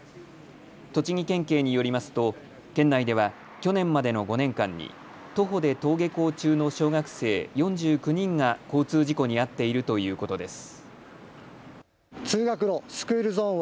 栃木県警によりますと県内では去年までの５年間に徒歩で登下校中の小学生４９人が交通事故に遭っているということです。